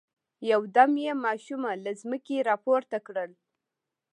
يودم يې ماشومه له ځمکې را پورته کړل.